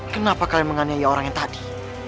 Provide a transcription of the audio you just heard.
kenapa kalian menganiaya orang yang tadi